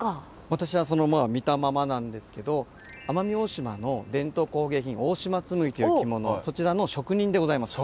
私はその見たままなんですけど奄美大島の伝統工芸品大島紬という着物そちらの職人でございます。